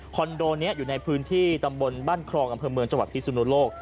โดนี้อยู่ในพื้นที่ตำบลบ้านครองอำเภอเมืองจังหวัดพิสุนุโลก